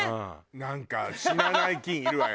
なんか死なない菌いるわよ。